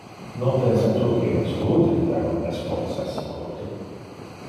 Non pensa tu que il es rude dar un responsa si curte?